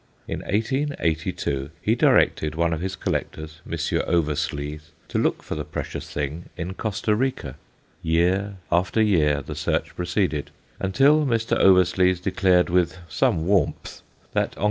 In 1882 he directed one of his collectors, Mr. Oversluys, to look for the precious thing in Costa Rica. Year after year the search proceeded, until Mr. Oversluys declared with some warmth that _Onc.